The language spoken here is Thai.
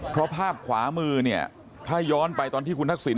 เพราะภาพขวามือเนี่ยถ้าย้อนไปตอนที่คุณทักษิณ